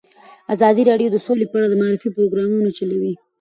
ازادي راډیو د سوله په اړه د معارفې پروګرامونه چلولي.